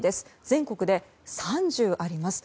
全国で３０あります。